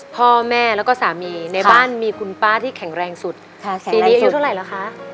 พ่อแม่แล้วก็สามีในบ้านมีคุณป้าที่แข็งแรงสุดปีนี้อายุเท่าไหร่แล้วคะ